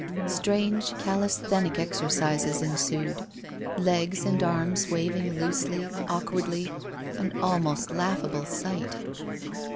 Strange calisthenic exercises en sued ; legs and arms waving loosely, awkwardly, an almost laughable sight.